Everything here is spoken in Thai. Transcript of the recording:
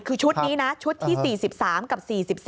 คือชุดนี้นะชุดที่๔๓กับ๔๓